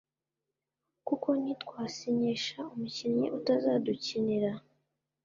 kuko ntitwasinyisha umukinnyi utazadukinira